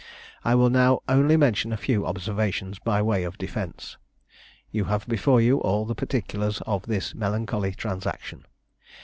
I will now only mention a few observations by way of defence. You have before you all the particulars of this melancholy transaction.